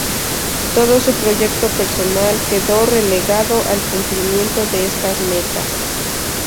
Todo su proyecto personal quedó relegado al cumplimiento de estas metas.